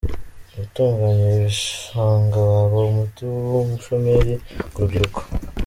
Gutunganya ibi bishanga waba umuti w’ubushomeri ku rubyiruko.